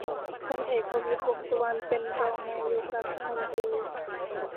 พลเอก ประวิตร วงษ์สุวรรณ เป็นรองนายกรัฐมนตรี